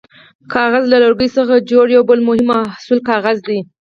کاغذ: له لرګیو څخه جوړ یو بل مهم محصول کاغذ دی.